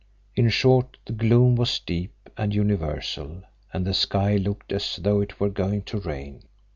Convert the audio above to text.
In short, the gloom was deep and universal and the sky looked as though it were going to rain.